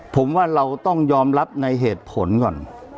ผมว่าเราต้องยอมรับในเหตุผลก่อน